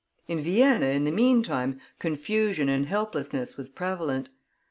In Vienna, in the meantime, confusion and helplessness was prevalent.